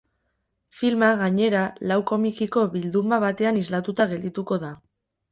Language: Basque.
Filma, gainera, lau komikiko bilduma batean islatuta geldituko da.